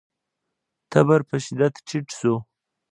تبر په شدت ټيټ شو.